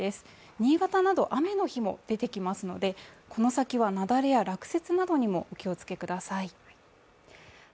新潟など、雨の日も出てきますのでこの先は雪崩や落雪などにもお気をつけください。